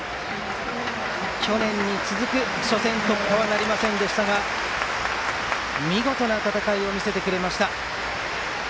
去年に続く初戦突破はなりませんでしたが見事な戦いを見せてくれました。